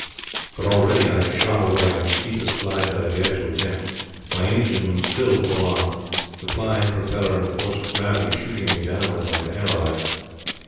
But already I had shot away on the steepest glide that I dared to attempt, my engine still full on, the flying propeller and the force of gravity shooting me downwards like an aerolite.